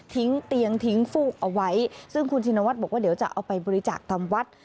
เตียงทิ้งฟูกเอาไว้ซึ่งคุณชินวัฒน์บอกว่าเดี๋ยวจะเอาไปบริจาคทำวัด